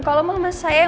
kalau mama saya